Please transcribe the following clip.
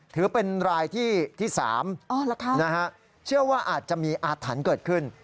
ถือเป็นรายที่สามนะฮะเชื่อว่าอาจจะมีอาฐานเกิดขึ้น